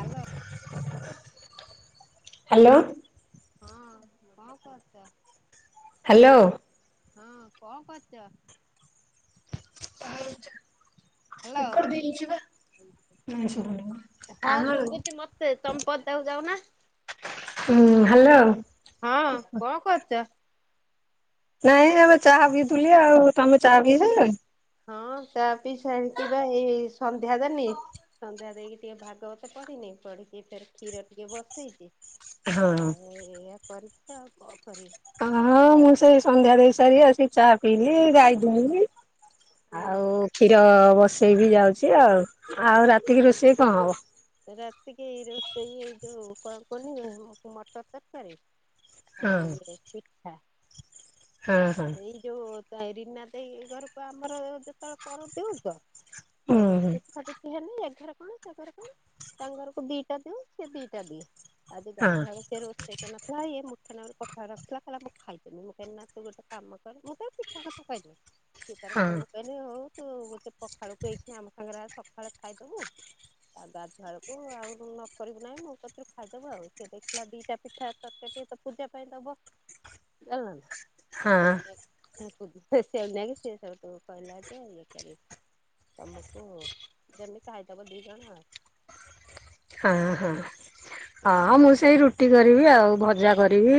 Hello. Hello. ହଁ କଣ କରତ ହାଲୋ। ହଁ କଣ କରୁଚ? ବାହାରୁଛି ହ୍ୟାଲୋ। [unintelligible] ଦେଇ ଯିବା। ହଁ ସୁବୁଚି ମତେ ତମ ପଦାକୁ ଯାଉନା। ହୁଁ ହାଲୋ। ହଁ କଣ କରୁଚ? ନାଇଁ ଏବେ ଚାହା ପିଉଥୁଲି ଆଉ ତମେ ଚାହା ପି ସାଇଲଣି। ହଁ ଚା ପି ସାରିକି ବା ଏଇ ସନ୍ଧ୍ୟା ଦେନି। ସନ୍ଧ୍ୟା ଦେଇକି ଟିକେ ଭାଗବତ ପଢିନି ପଢିିକି ଫେରେ କ୍ଷୀର ଟିକିଏ ବସେଇଛି। ହଁ ଆଉ ଏଇଆ କରିଚି ଆଉ କଣ କରିବି। ହଁ ମୁଁ ସେଇ ସନ୍ଧ୍ୟା ଦେଇ ସାରି ଆସିକି ଚାହା ପିଇଲି ଗାଈ ଦୁହିଁଲି ଆଉ। ହୁଁ କ୍ଷୀର ବସେଇବି ଯାଉଛି ଆଉ ଆଉ ରାତିକି ରୋଷେଇ କଣ ହବ? ରାତିକ ଏଇ ରୋଷେଇ ଯୋଉ [unintelligible] ମଟର ତରକାରୀ। ହଁ ଆଉ ଇଏ ପିଠା। ହଁ ହଁ। ଏଇ ଯୋଉ ତା ଏ ରିନା ଦେଇ ଘରକୁ ଆମର ଯେତେବେଳେ କରୁ ଦେଉ ତ। ହୁଁ ଓହୋ, ହୁଁ ପିଠା ପି ଠି ହେଲେ ଏ ଘର କଣ ସେ ଘରେ କଣ ତାଙ୍କ ଘରକୁ ଦିଟା ଦିଉ ସେ ଦିଟା ଦିଏ। ଆଜି ହଁ ଗାଧୁଆଳେ ସେ ରୋଷେଇ କରିନଥିଲା ଇଏ ମୁଠେ ନାକୁରୁ ପଖାଳ ରଖିଥିଲା କଇଲା ମୁଁ ଖାଇଦେ, ମୁଁ ମୁଠେ ନା ତୁ ଗୋଟେ କାମ କର, ମୁଁ ତାକୁ ପିଠା କଥା କହିଲି ସିଏ ତାର ହଁ ଅ, ମୁଁ କହିଲି ହଉ ତୁ ଗୋ ସେ ପଖାଳ କୁ ଏଇଖିଣା ଆମ ସାଙ୍ଗରେ ଆ ସଖାଳେ ଖାଇଦବୁ। ଆଉ ଗାଧୁଆଳକୁ ଆଉ ତୁ ନ କରିବୁ ନାହିଁ, ମୁଁ କତିରୁ ଖାଇଦବୁ ଆଉ। ସିଏ ଦେଖିଲା ଦିଟା ପିଠା ତରକାରୀ ଟିକେ ତ ପୂଜା ପାଇଁ ଦବ ଜାଣିଲ ନା। ହଁ ହେନେ ମୁଁ ଖୋଜୁଥିଲି ସେ ନାଇକି ସିଏ ସେଉଟୁ କହିଲା ଯେ [inaudible] ତୋମକୁ ଯେମିତି ଖାଇଦବ ଦି ଜଣ ଆଉ। ହଁ, ହଁ। ହଁ ମୁଁ ସେଇ ରୁଟି କରିବି ଆଉ ଭଜା କରିବି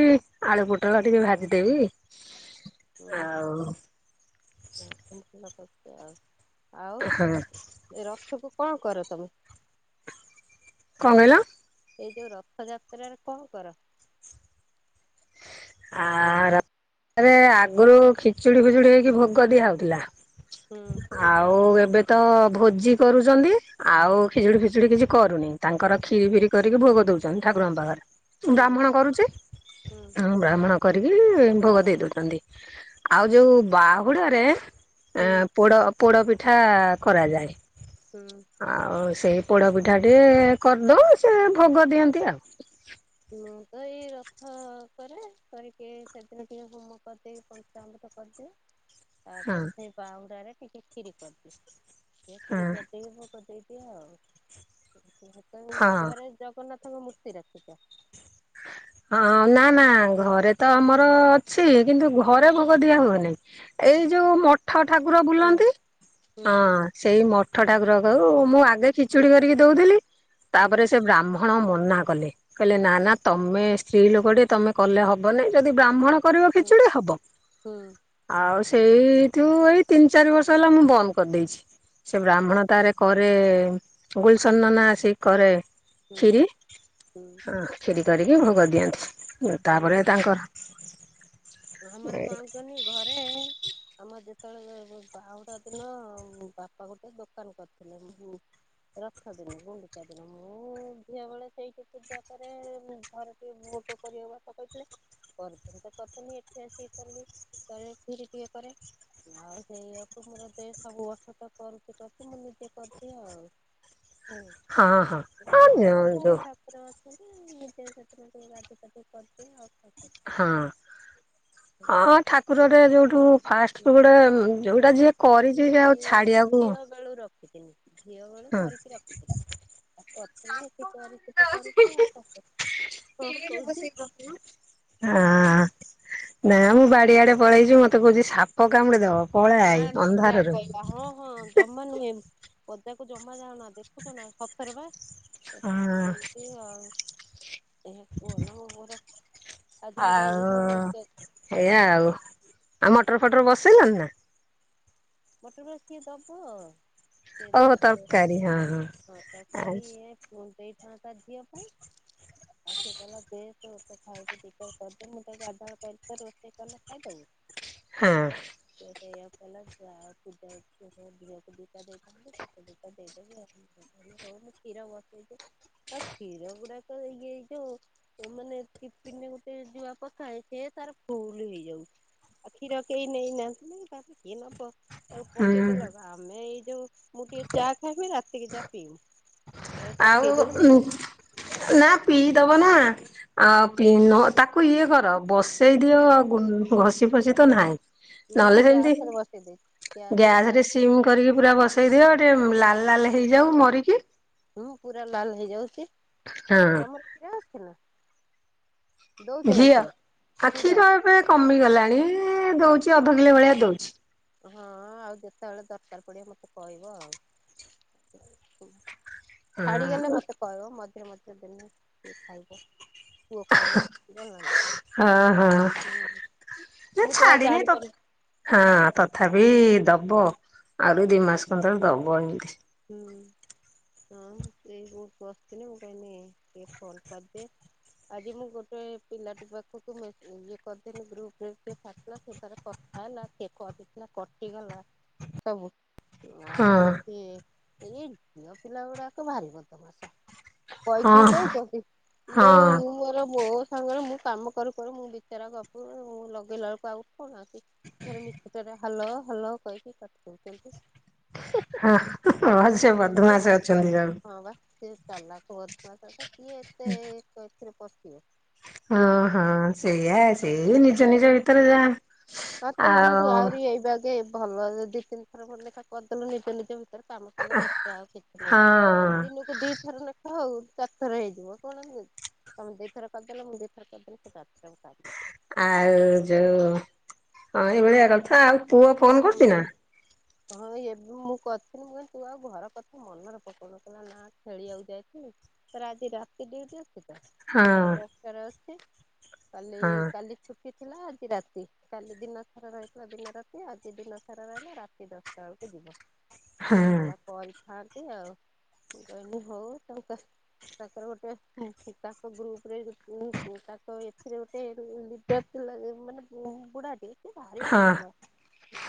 ଆଳୁ ପୋଟଳ ଟିକେ ଭାଜିଦେବି। [unintelligible] ଅଁ, [inaudible] ଆଉ ହଁ କଣ ଏ ରଥକୁୁ କଣ କର ତୋମେ? କଣ କହିଲ? ଏଇ ଯୋଉ ରଥଯାତ୍ରାରେ କଣ କର? ଆ, ର- [inaudible] ରେ-ଆଗରୁ ଖିଚୁଡି ଫିଚୁଡି ହେଇକି ଭୋଗ ଦିଆହଉଥିଲା। ହୁଁ ଆଉ ଏବେ ତ ଭୋଜି କରୁଚନ୍ତି। ଆଉ ଖିଚୁଡି ଫିଚୁଡି କିଛି କରୁନି, ତାଙ୍କର ଖିରି ଫିରି କରିକି ଭୋଗ ଦଉଛନ୍ତି ଠାକୁରଙ୍କ ପାଖରେ। ହୁଁ ବ୍ରାହ୍ମଣ କରୁଚି। ହୁଁ। ଉଁ, ବ୍ରାହ୍ମଣ କରିକି ଭୋଗ ଦେଇ ଦଉଛନ୍ତି, ଆଉ ଯୋଉ ବାହୁଡାରେ ହୁଁ ଆଁ, ପୋଡ ପୋଡ଼ ପିଠା କରାଯାଏ। ହୁଁ। ଆଉ ସେଇ ପୋଡ଼ପିଠା ଟିଏ କରିଦଉ ସେ ଭୋଗ ଦିଅନ୍ତି ଆଉ। ମୁଁ ତ ଏଇ ରଥ କରେ କରିକି ସେଦିନ ଟିକେ ହୋମ କରିଦେଇ ପଞ୍ଚାଅମୃତ କରିଦିଏ। [unintelligible] ତାପରେ ସେଇ ବାହୁଡା ରେ ଟିକେ କ୍ଷୀରି କରିଦିଏ। ସେ ହଁ କ୍ଷୀରି କରିଦେଇକି ଭୋଗ ଦେଇଦିଏ ଆଉ ହଁ [inaudible] ଘରେ ଜଗନ୍ନାଥଙ୍କ ମୂର୍ତ୍ତି ରଖିଚ? [unintelligible] ହଁ, ହଁ ନା ନା ଘରେ ତ ଆମର ଅଛି କିନ୍ତୁ ଘରେ ଭୋଗ ଦିଆ ହୁଏନି। ଏଇ ଯୋଉ ମଠ ଠାକୁର ହୁଁ ବୁଲନ୍ତି ହୁଁ ହଁ ହୁଁ ସେଇ ମଠ ଠାକୁରକୁ, ମୁଁ ଆଗେ ଖିଚୁଡି କରିକି ଦଉଥିଲି। ତାପରେ ସେ ବ୍ରାହ୍ମ ହଣ ମନା କଲେ, କହିଲେ ନା ନା ତୋମେ ସ୍ତ୍ରୀ ଲୋକ ଟେ ତୋମେ କଲେ ହବ ନାଇଁ। ଯଦି ବ୍ରାହ୍ମଣ କରିବ ହୁଁ ଖିଚୁଡି ହବ। ହୁଁ ଆଉ ସେଇଠୁ ଏଇ ତିନି ଚାରି ବର୍ଷ ହେଲା ମୁଁ ବନ୍ଦ କରିଦେଇଛି। ସେ ହୁଁ ହୁଁ ବ୍ରାହ୍ମଣ ତାର କରେ ଗୁଲସନ ନନା ଆସି କରେ ଖିରି ହୁଁ ହୁଁ ହଁ। କ୍ଷୀରି କରିକି ଭୋଗ ଦିଅନ୍ତି। ଉଁ, ତାପରେ ଆମେ ତାଙ୍କର ଆମର କଣ କୁହନି ଘରେ ଆମ ଯେତେବେଳେ ଯେ ବାହୁଡ଼ା ଦିନ ବୁ-ବାପା ଗୋଟେ ଦୋକାନ କରିଥିଲେ। [inaudible] ରଥ ଦିନ, ଗୁଣ୍ଡିଚା ଦିନ ମୁଁ ଝିଅବେଳେ ସେଇଠି ପୂଜା କରେ, ଘରେ ଟିକେ ମୁଁ ତ କରିହେବନି ନକହିଥିଲେ କରି [inaudible] ପୁଣି ଏଠି ଆସିକି କଲି, ଖାଲି କ୍ଷୀରି ଟିକେ କରେ। ଆଉ ସେଇଆକୁ ମୋର ଦେ ସବୁ ବର୍ଷ ତ କରୁଛି କରଛି ମୁଁ ନିଜେ କରିଛି ଆଉ। ହ ହୁଁ ଘର କରେ ଘର ଠାକୁର [inaudible] ସେ ନିଜେ ସେଥିରେ ଟିକେ ଗାଧେଇ ପାଦେଇ କରିଦେ ଆଉ ହଁ ହଁ କରିବି। ଠାକୁରରେ ଯୋଉଠୁ ଫାଷ୍ଟ ଗୋଟେ ଯୋଉଟା ଯିଏ କରିଛି ଆଉ ଛାଡିଆକୁ ସକାଳୁ ରଖିଥିଲି ଝିଅ ବେଳୁ କରିକି ରଖିଥିଲି। ଆ କରଥିଲି ଏଠି କରିଛି କରୁଛି ଆଉ [unintelligible] ହଁ କଣ କହୁଛି। [unintelligible] ନା ମୁଁ ବାଡିଆଡେ ପଳେଇଛି ମତେ କହୁଛି ସାପ କାମୁଡି ଦବ ପାଳା ନା ଆଇ ନା ଯାହା ଅନ୍ଧାରରୁ। କହିଲା ହଁ ହଁ ଜମା ନୁହେଁ ପଦାକୁ ଜମା ଯାଅନା ଦେଖୁଛ ନା ସତରେ ପା। ହଁହଁ। କ ନାର ଆଜି ମୁଁ କାଇ [unintelligible] ହେଇଆ ଆଉ ଆଉ ମଟର ଫଟର ବସେଇଲଣି ନା? ମଟର ପରା ସିଏ ଦବ ସିଏ ଦବ ହଁ ତରକାରୀ ଇ କଣ ଦେଇଥାନ୍ତା ଝିଅ କୁ ଆଉ ସେ କହିଲା ଦେ ତୁ ତୁ ଖାଇବୁ ଦିଟା କରିଦେ ମୁଁ ତାକୁ ଗାଧାଳୁ ରୋଷେଇ କଲେ ଖାଇଦବୁ। ହଁ। ସେ ମୋତେ ଏଇଆ କହିଲା ଯାହା ହଉ ପୂଜା କୁ ଝିଅ କୁ ଦିଟା ଦେଇଦେବୁ ତାକୁ ଦିଟା ଦେଇଦେବୁ ଆଉ। କହିଲି ହଉ ମୁଁ କ୍ଷୀର ବସେଇଦେ କ୍ଷୀର ଗୁଡାକ ଇ ହେଇ ଯୁ ତ ମାନେ ଟିପିନି ରେ ଗୋଟେ ଜୁଆ ପକାଏ ସେ ତାର ଫୁଲୁ ହେଇଯାଉଛି। ଆଉ କ୍ଷୀର କେହି ନେଇନାହାନ୍ତି ନା କିଏ ନ ପ ଆଉ ହୁଁ ପକେଇଦେଲ ଆମେ ଏଇ ଯୋଉ ମୁଁ ଟିକେ ଚା ଖାଇବି ରାତିକ ଚା ପିଇବି। ଆଉ ତାକୁ ପକେଇ ଆଉ ଦେଇଛି ଉଁ ନା ପିଇଦବ ନା ଆଉ ପିଇ ନ ତାକୁ ଇଏ କର। ବସେଇ ଦିଅ ଗୁ ଆଉ ଘଷି ଫସିି ତ ନାହିଁ। ନା ମୁଁ ନହେଲେ ସେମିତି ଗ୍ୟାସରେ ବସେଇ ଦେଇଛି। ଗ୍ୟାସରେ ଗ୍ୟାସ ରେ ସିମ କରିକି ପୁରା ବସେଇ ଦିଅ ଟିକେ ଲାଲ ଲାଲ ହେଇଯାଉ ମରିକି ହୁଁ ପୁରା ଲାଲ ହେଇଯାଉଛି। ହଁ। [unintelligible] କ୍ଷୀର ଅଛି ନା ଦଉଛି ନା କ୍ଷୀର କ୍ଷୀର? ଏ କମିଗଲାଣି ଦଉଛି ଅଧ କିଲୋ ଭଳିଆ ଦଉଛି। ହଁ ଆଉ ଯେତେବେଳେ ଦରକାର ପଡିବ ମତେ କହିବ ଆଉ। ଛାଡିଗଲେ ହଁ ମତେ କହିବ ମଝିରେ ମଝିରେ ଦେମି ଟିକେ ଖାଇବ। ପୁଅ ଖାଇବ ହଁ ହଁ [unintelligible] ମୁଁ ତ ଆଉ ଛାଡିନି ତଥା ଜାଣିପାରିବି ହଁ ତଥାପି ଦବ ଆହୁରି ଦି ମାସ ଖଣ୍ଡ ଦବ ହେମିତି। ହୁଁ ଆଉ ସେଇ ଗକୁ [unintelligible] ବସ୍ତନି ମୁଁ କହିନ ଟିକେ ଫୋନ୍ କରିଦି। ଆଜି ମୁଁ ଗୋଟେ ପିଲାଟି ପାଖକୁ ମେ ଇଏ କରିଥିଲି ଗ୍ରୁପ୍ ରେ ସେ ଛାଡିଥିଲା ସେ ତାର କ ଖାଇଲା କିଏ କରିଥିଲା କଟିଗଲା ସବୁ। ଆଉ ହଁ ହଉଛି ଏଇ ଝିଅ ପିଲା ଗୁଡାକ ଭାରି ବଦମାସ। ହଁ କଇକେଇ ଦଉଚ କି ଲୋ ହଁ। ମୋର ବୋ ସାଙ୍ଗରେ ମୁଁ କାମ କରୁ ମୁଁ ବିଚାର ଗଫୁ ମୁଁ ଲଗେଇଲା ବେଳକୁ ଆଉ କଣ ଅଛି। ଫେରେ ମିଛତାରେ ହାଲୋ ହାଲୋ କହିକି କରିଦେଉଛନ୍ତି। ହଁ ମ ସେ ବଧମାସ ଅଛନ୍ତି ଜଣେ। ହଁ ବା ସେ ଚାଲାକ ବଦମାସ ତଥା କିଏ ଏତେ ଏଥିରେ ପଶିବ। ଓଁ ହଁ ସେଇଆ ସେଇ ସେ ନିଜ ନିଜ ଭିତରେ ଯାହା ମତେ ଆଉ ଆହୁରି ଏଇବେ ଆଗେ ଭଲ ଦି ତିନିଥର ଭ ଲେଖା କରିଦେଲୁ ନିଜେ ନିଜ ଭି ତାରେ କାମ ସରିଲା ଏତେ ଆଉ କିଛି ନାଇଁ ହଁ ଦିନୁକ ଦିଥର ଲେଖା ହଉ ଚାରି ଥର ହେଇଯିବ କଣ ତମେ ଦିଥର କରିଦେଲେ ମୁଁ ଦିଥର କରିଦେଲି ସେ ଚାରଥର [inaudible] ଆଉ ଯୋଉ ହଁ ଏଇଭଳିଆ କଥା ଆଉ ପୁଅ ଫୋନ କରୁଛି ନା? ହଁ ଏବେ ମୁଁ କରିଥିଲି ମୁଁ କହିଲି ତୁ ଆଉ ଘର କଥା ମନରେ ପକଉନୁ କହିଲା ନା ଖେଳିବାକୁ ଯାଇଥିଲୁ? ତାର ଆଜି ରାତି ଡ୍ୟୁଟି ଅଛିତ। ହଁ। ଅଛି କାଲି ହଁ କାଲି ଛୁଟିଥିଲା ଆଜି ରାତି କାଲି ଦିନ ସାରା ରହିଥିଲା ଦିନ ରାତି ଆ ସେ ଦିନ ସାରା ରହିଲା ରାତି ଦଶଟା ବେଳକୁ ଯିବ ହଁ ଆଉ କଇଲା ପରି ଥାନ୍ତି ଆଉ ମୁଁ କହିନି ହଉ ତାଙ୍କ ତାଙ୍କର ଗୋଟେ ତାଙ୍କ ଗ୍ରୁପ ରେ ତା ଏଥିରେ ଗୋଟେ ସେଥଲାଗି ମାନେ ବୁଢ଼ାଟେ ସେ ଭାରି ହଁ ବଦମାସ।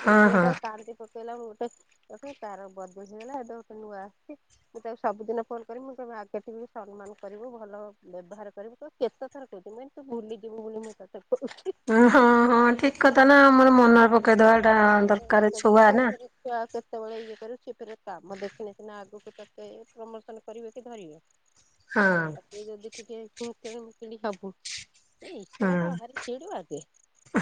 ମୋ ହଁ ପୁଅ ତାର ହଁ କାନ୍ଦି ପକେଇଲା ମୁଁ ଗୋଟେ ତାର ବଦ ମାସି ହେଲା ହେଠୁ ଗୋଟେ ନୂଆ ଆସିଛି ମୁଁ ତାକୁ ସବୁଦିନ ଫୋନ କରିବି ମୁଁ ତମ ଆଗେ ଟିକେ ସମ୍ମାନ କରିବୁ ଭଲ ବ୍ୟବହାର କରିବୁ। କେତେଥର କହୁଛି ତୁ ଭୁଲି ଯିବୁ ବୋଲି ମୁଁ ତତେ କହୁଛି। ଉ ହଁ ହଁ ଠିକ କଥା ନା ଆମର ମନରେ ପକେଇଦବାଟା ଦରକାର ଛୁଆ ନା। କି କେତେବେଳେ ଇଏ କରିବ ସିଏ କରିବ କାମ ଦେଖିନେ ସିନା ଆଗକୁ ତତେ ପ୍ରମୋସନ କରିବେ କି ଧରିବେ। ହଁ ତତେ ଯଦି ଟିକେ କୁଙ୍କେନି ମୁଙ୍କେଣି ହବୁ ଏ ହଁ ଈଶ୍ବରଟା ଭାରି ଚିଡୁଆ ଯେ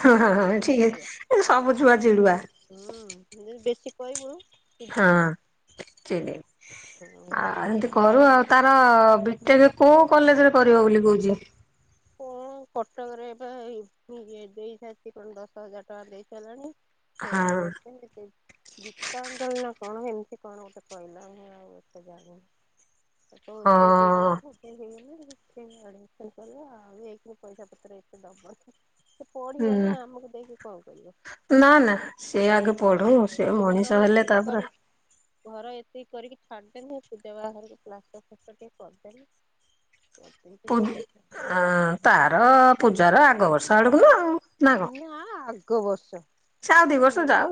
ହଁ ହଁ ହଁ ଭାରୀ ଠିକ ଚିଡୁଆ ଏ ସବୁ ଛୁଆ ଚିଡୁଆ। ହୁଁ ତୁ ଯଦି ବେଶୀ କହିବୁ ହଁ ଚିଡିଯିବ। ଚିଡ଼େ ଆ ହିନ୍ତି କରୁ ଆଉ ତା ହଁ ବିଟେକ କୋଉ କଲେଜରେ କରିବ ବୋଲି କହୁଛି? କଣ କଟକରେ ଏବେ ଦେଇସାରିଚି କଣ ଦଶ ହଜାର ଟଙ୍କା ଦେଇ ସାରିଲାଣି। ଫେରେ ହଁ ନେବେନି କି? ଗୀତାଞ୍ଜଳି ନା କଣ ଏମିତି କଣ ଗୋଟେ କହିଲା ମୁଁ ଆଉ ଏତେ ଜାଣିନି। [unintelligible] ମୋ ହଁ ପାଇଁ ହେଇଗଲା ସେଥିପାଇଁ ଆଡମିସନ କଲା ଆଉ ଏକରୁ ପଇସାପତ୍ର ଏତେ ଦବନି। ସେ ପଢିବ ହୁଁ ନା ଆମକୁ ଦେଇକି କଣ କରିବ? ନା ନା ସେ ଆଗେ ପଢୁ ସେ ଏଇ ଘର ମଣିଷ ହେଲେ ଏତିକି ତାପରେ କରି ଘର ଏତିକି କରିକି ଛାଡିଦେମି ପୂଜା ବାହାଘରକୁ ପ୍ଲାଷ୍ଟର୍ ଫ୍ଲାଷ୍ଟର୍ ଟିକେ କରିଦେଲେ [unintelligible] ଆଁ ତାର ପୂଜାର ଆଗ ବର୍ଷ ଆଡକୁ ନା ଆଉ। ନା ଆଗ ବର୍ଷ ସେ ଆଉ ଦି ବର୍ଷ ତିନି ମା ଯାଉ।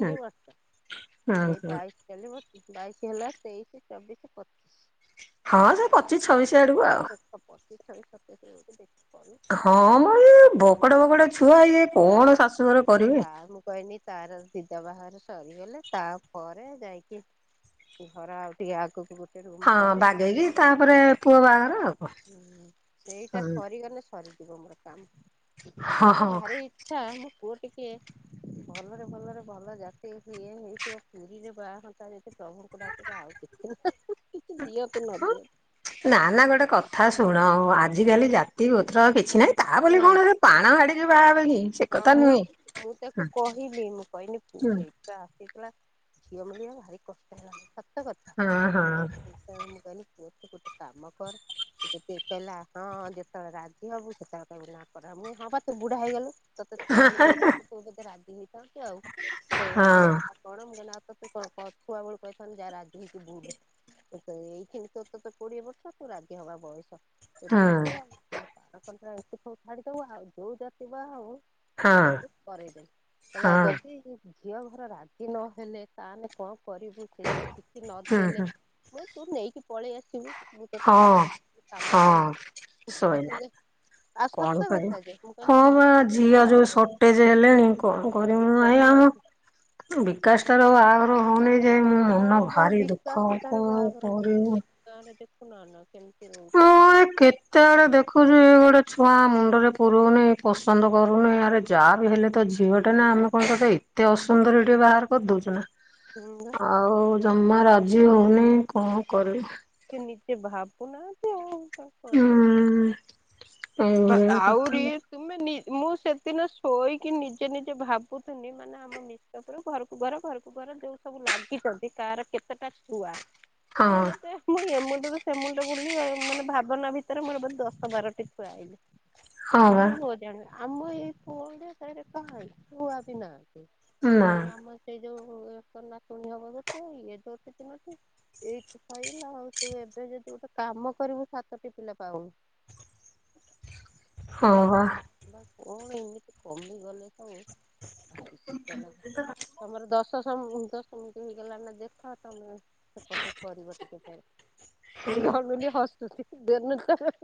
ହୁଁ ବର୍ଷ ହୁଁ ଏଇ ହୁଁ ବାଇ କଇଲି ମ ବାଇଶି ହେଲା ତେଇଶି ଚବିଶି ପ ହଁ ସେ ପଚିଶ ଛବିଶ ଆଡକୁ ଆଉ। ପଚିଶ ଛବିଶ ସତେଇଶରେ ଗୋଟେ ହଁ ମ ଏ ବକଟେ ବକଟେ ଛୁଆ ଇଏ କଣ ଶାଶୁଘରେ କରିବେ। ଆଉ ମୁଁ କହିନି ତାର ସିଧା ବାହଘର ସରିଗଲେ ତାପରେ ଯାଇକି ଘର ଆଉ ଟିକେ ଆଗକୁ ରୁମ ହଁ କରି ବାଗେଇକି ତାପରେ ପୁଅ ବାହାଘର ଆଉ କଣ। ହୁଁ ସେଇଟା ହୁଁ ସରିଗଲେ ସରିଯିବ ମୋର କାମ ହଁ କିନ୍ତୁ ହଁ ଭାରି ଆଛା ମୋ ପୁଅ ଟିକେ ଭଲରେ ଭଲରେ ଭଲ ଜାତି ଇଏ ହେଇଥିବ ପୁରୀରେ ବାହାରନ୍ତି ଯଦି ପ୍ରଭୁଙ୍କୁ ଡାକୁଛି ଆଉ କିଛି କିଛି ଦିଅନ୍ତୁ ନ ହଁ। ଦିଅନ୍ତୁ। ନା ନା ଗୋଟେ କଥା ଶୁଣ ଆଜିକାଲି ଜାତି ଗୋତ୍ର ଆଉ କିଛି ନାହିଁ। ତା ବୋଲି କି ନାଇଁ କଣ ସେ ନାଇଁ ପାଣ ହାଡିକି ବାହା ହେବେ କି? ସେ ହଁ କଥା ମୁଁ ନୁହେଁ। ମୁଁ ତାକୁ କହିଲି ମୁଁ କହିଲି ହଁ ଏଇତ ଆସିଥିଲା ଝିଅ ମିଳିବା ଭାରୀ କଷ୍ଟ ହେଲାଣି ସତ କଥା ହଁ ହଁ ସେତେବେଳେ ମୁଁ କହିଲି ପୁଅ ତୁ ଗୋଟେ କାମ କର ସେଠୁ ସେ କହିଲା ହଁ ଯେତେବେଳେ ରାଜି ହବୁ ସେତେବେଳେ କହିବୁ ନା କର ମୁଇ ହଁ ବା ତୁ ବୁଢା ହେଇଗଲୁ। ତତେ ଛୁଆ ବେଳୁ କହିଥାନ୍ତି ସବୁ ତତେ ରାଗି ହେଇଥାନ୍ତୁ ଆଉ ହଁ କଣ ନା ଆଉ ତତେ କ କ ଛୁଆ ବେଳୁ କହିଥାନ୍ତ ଯାହା ରାଜି ହେଇକି ବୁଲୁ ଏଇ ଖିନି ତ ତ ତ କୋଡ଼ିଏ ବର୍ଷ ତ ରାଜି ହବା ବୟସ ତୁ ହଁ ରାଜି ଯାଉନୁ ଆଉ ଖାଲି ବାଉରୀ କଣ୍ଡରା ଛାଡିଦବୁ ଆଉ ଯୋଉ ଜାତିି ବାହାହବୁ ମୁଁ ହଁ ତାକୁ କରଇ ଦେବି କହିଲା ହଁ ଯଦି ଝିଅ ଘର ରାଜି ନହେଲେ ତାହେଲେ କଣ କରିବୁ ସେ ଯଦି କିଛି ହୁଁ ନଦେଲେ ହୁଁ ମୁଇ ତୁ ନେଇକି ପଳେଇ ଆସିବୁ। ମୁଁ ତୋତେ ହଁ ବାହାକରିବି କାମ ହଁ ସଇଲେ ଶୋଇଲା [unintelligible] ଆଉ କଣ ସତ କରିବୁ। କଥା ଯେ, ମୁଁ କହିନି ହଁ ବା ଜିନିଷପତ୍ର ଝିଅ ଯୋଉ ସର୍ଟେଜ ହେଲେଣି କଣ କରିବୁ ଭାଇ କଷ୍ଟ ଆମ ଅଛି ବିକାଶଟାର ବାହାଘର ହେଉନି ଯେ ମୋ ହଁ ମନ ବା ଭାରି ଦୁଃଖ ବିକାଶ ଠାରୁ କଣ ବାହାଘର କରୁନି କରିବି। ଏ ଗାଁରେ ଦେଖୁନା ନା କେମିତି ରହୁଛନ୍ତି ସବୁ। ଏତେ ଆଡେ ଦେଖୁଚି ଗୋଟେ ଛୁଆ ମୁଣ୍ଡରେ ପୁରୋଉନି ପସନ୍ଦ କରୁନି ଆରେ ଯେ ଯାହା ବି ହେଲେ ତ ଝିଅଟା ନା ଆମେ କଣ ତେତେ ଏତେ ଅସୁନ୍ଦର ଟିଏ ବାହାଘର କରିଦଉଛୁ ନା। ହୁଁ ବା। ଆଉ ଜମା ରାଜି ହେଉନି କଣ କରିବି। ସେ ନିଜେ ଭାବୁନାହାନ୍ତି ଆଉ ତମେ କଣ କରିବ। ହୁଁ ବା ଏଇଭଳିଆ କଥା ଆଉରିି ତୁମେ ନି ମୁଁ ସେଦିନ ଶୋଇକି ନିଜେ ନିଜେ ଭାବୁଥିନି ମାନେ ଆମ ନି ଉପରୁ ଘରକୁ ଘର ଘରକୁ ଘର ଯୋଉ ସବୁ ଲାଗିଛନ୍ତି କାର କେତେଟା ଛୁଆ। [inaudible] ମାନେ ମତେ ମୁଁ ଏ ମୁୁଣ୍ଡରୁ ସେମୁଣ୍ଡ ବୁଲି ମାନେ ଭାବନା ଭିତରେ ମୋରେ ଦଶ ବାରଟି ଛୁଆ ହଁ ଆଇଲେ ବା ମାନ ବହୁତ ଜଣ ଆମ ଏଇ ପୁଅଡିଆ ସାରେ କାହିଁ ଛୁଆ ବି ନାହାନ୍ତି ନା ସେଇ ଆମ ସେଇ ଯୋଉ [unintelligible] ନାତୁଣି କଣ ହବ ଗୋଟେ ଇଏତ ତିନୋଟି ଏଇଠି ସଇଲା ଆଉ ତୁ ଏବେ ଯଦି ଗୋଟେ କାମ କରିବୁ ସାତଟି ପିଲା ପାଉନୁ। ଆଉ ହଁ ତ ବା। ବା କଣ ଏମିତି କମି ଗଲେ ସବୁ। ଭାରି [unintelligible] ତମର ଦଶସମ୍ ଦଶ ମିନିଟ୍ ହେଇଗଲା ନା ଦେଖ ତମେ। ସେପଟୁ କରିବ ଟିକେ ଫେରେ, ଗଗୁନି ହସୁଚି ଦୁନୁକୁ।